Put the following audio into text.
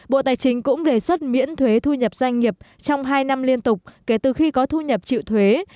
bộ tài chính cũng đề xuất miễn thuế thu nhập doanh nghiệp trong hai năm liên tục kể từ khi có thu nhập chịu thuế